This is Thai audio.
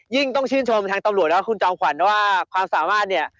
ต้องชื่นชมทางตำรวจแล้วก็คุณจอมขวัญว่าความสามารถเนี่ย